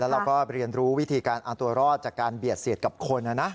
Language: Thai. เราก็เรียนรู้วิธีการเอาตัวรอดจากการเบียดเสียดกับคน